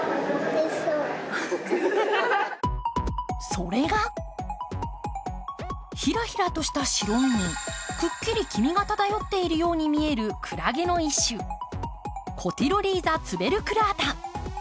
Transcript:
それがひらひらとした白身に、くっきり黄身が漂っているように見えるクラゲの一種コティロリーザツベルクラータ。